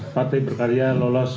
partai berkarya lolos